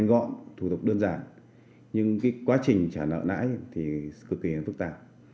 ghế đánh gì nữa